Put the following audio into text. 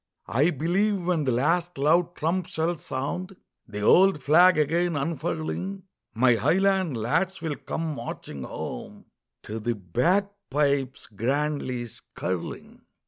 I believe when the last loud trump shall sound, The old flag again unfurling, My highland lads will come marching home To the bagpipes grandly skirling.